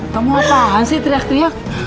kamu apaan sih teriak teriak